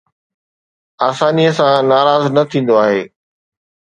آسانيءَ سان ناراض نه ٿيندو آهي